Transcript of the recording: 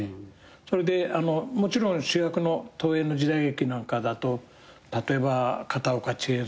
それでもちろん主役の東映の時代劇なんかだと例えば片岡千恵蔵さんとかね。